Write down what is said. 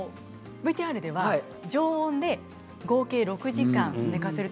ＶＴＲでは常温で合計６時間寝かせると。